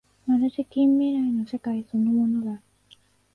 まるで近未来の世界そのものだ